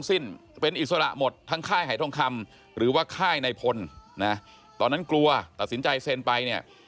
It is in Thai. สิ้นเป็นอิสระหมดทั้งค่ายหายทองคำหรือว่าค่ายในพลนะตอนนั้นกลัวตัดสินใจเซ็นไปเนี่ย